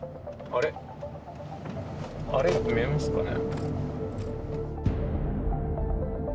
あれ見えますかね？